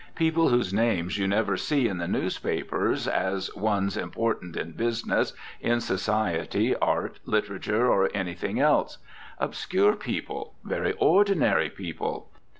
People whose names you never see in the newspapers as ones important in business, in society, art, literature, or anything else. Obscure people! Very ordinary people!